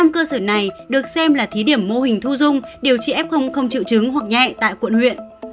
một mươi cơ sở này được xem là thí điểm mô hình thu dung điều trị f không triệu chứng hoặc nhẹ tại quận huyện